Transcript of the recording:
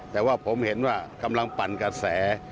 แต่ว่าผมเห็นว่ากำลังปั่นกระแส